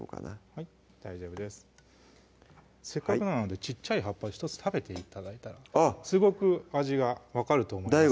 はい大丈夫ですせっかくなので小っちゃい葉っぱ１つ食べて頂いたらすごく味が分かると思います